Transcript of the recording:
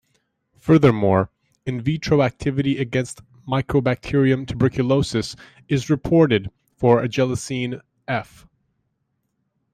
Furthermore, in vitro activity against Mycobacterium tuberculosis is reported for agelasine F.